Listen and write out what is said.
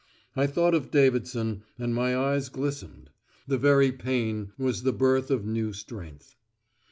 I thought of Davidson, and my eyes glistened: the very pain was the birth of new strength.